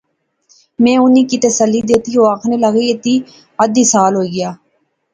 میں انیں کی تسلی دیتی۔ او آخنے لغے، ادھی سال ہوئی گئی